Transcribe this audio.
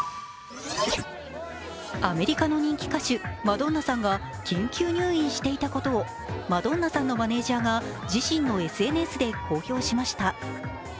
アメリカの人気歌手、マドンナさんが緊急入院していたことをマドンナさんのマネージャーが自身のＳＮＳで公表しました。